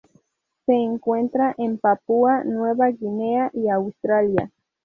Se encuentra en Papúa Nueva Guinea y Australia.